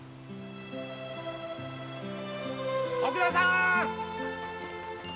徳田さん。